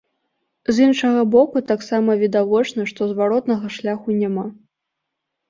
З іншага боку, таксама відавочна, што зваротнага шляху няма.